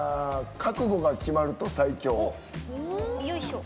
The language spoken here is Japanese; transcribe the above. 「覚悟が決まると最強」。